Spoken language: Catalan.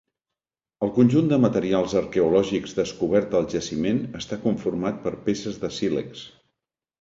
El conjunt de materials arqueològics descobert al jaciment està conformat per peces de sílex.